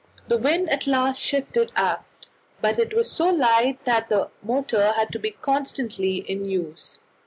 The wind at last shifted aft, but it was so light that the motor had to be constantly in use.